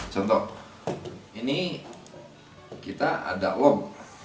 contoh ini kita ada lom